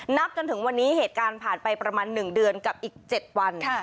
นับจนถึงวันนี้เหตุการณ์ผ่านไปประมาณ๑เดือนกับอีก๗วัน